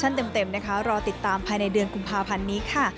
ในเดือนกุมภาพันธ์นี้ค่ะ